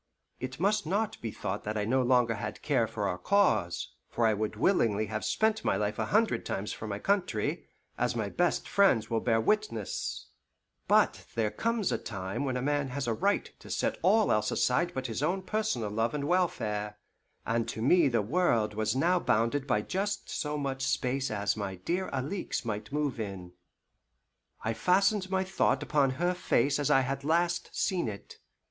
It must not be thought that I no longer had care for our cause, for I would willingly have spent my life a hundred times for my country, as my best friends will bear witness; but there comes a time when a man has a right to set all else aside but his own personal love and welfare, and to me the world was now bounded by just so much space as my dear Alixe might move in. I fastened my thought upon her face as I had last seen it.